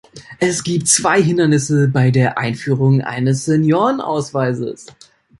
Es gibt zwei Hindernisse bei der Einführung eines Seniorenausweises.